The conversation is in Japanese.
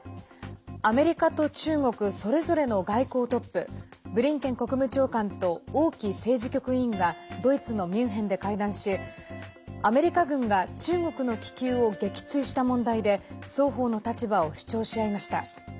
アメリカと中国それぞれの外交トップブリンケン国務長官と王毅政治局委員がドイツのミュンヘンで会談しアメリカ軍が中国の気球を撃墜した問題で双方の立場を主張し合いました。